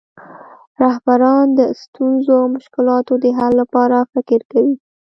رهبران د ستونزو او مشکلاتو د حل لپاره فکر کوي.